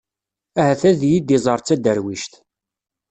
Ahat ad iyi-d-iẓer d taderwict.